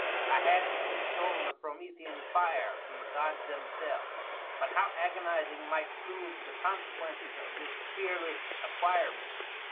I had indeed stolen a Promethean fire from the gods them selves. But how agonizing might prove the consequences of this peer less acquirement!